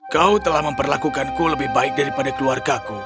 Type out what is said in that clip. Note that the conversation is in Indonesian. kau telah memperlakukanku lebih baik daripada keluargaku